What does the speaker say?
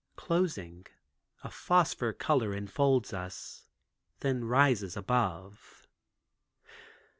Closing a phosphor color enfolds us, then rises above.